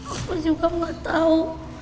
aku juga gak tau